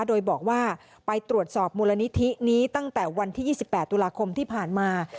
โดยบอกว่าไปตรวจสอบมูลนิธินี้ตั้งแต่วันที่๒๘ตุลาคมที่ผ่านมา